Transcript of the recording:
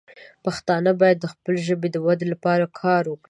پښتانه باید د خپلې ژبې د ودې لپاره کار وکړي.